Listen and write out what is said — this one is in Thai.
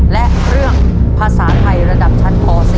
และเรื่องภาษาไทยระดับชั้นป๔